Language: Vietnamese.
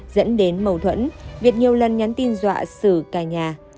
dẫn đến mâu thuẫn việt nhiều lần nhắn tin dọa sử cả nhà